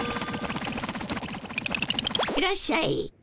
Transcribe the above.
いらっしゃい。